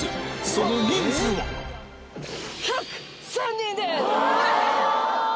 その人数は１０３人です！